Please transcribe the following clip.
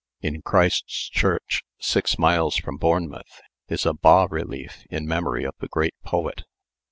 "In Christ's Church, six miles from Bournemouth, is a bas relief in memory of the great poet.